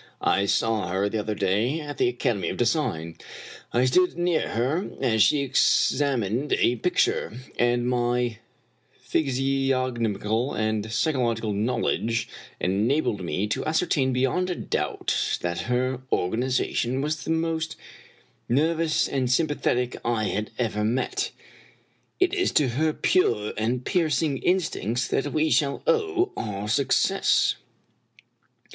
I saw her the other day at the Academy of Design. I stood near her as she examined a picture, and my physiognomical and psychological knowl edge enabled me to ascertain beyond a doubt that her organization was the most nervous and sympathetic I had ever met. If is to her pure and piercing instincts that we shall owe our success."